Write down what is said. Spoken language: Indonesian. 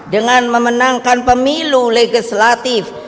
dengan memenangkan pemilu legislatif